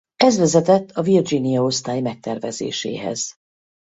Ez vezetett a Virginia osztály megtervezéséhez.